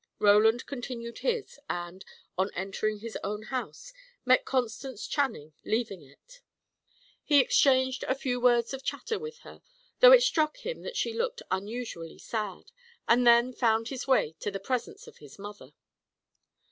Roland continued his, and, on entering his own house, met Constance Channing leaving it. He exchanged a few words of chatter with her, though it struck him that she looked unusually sad, and then found his way to the presence of his mother.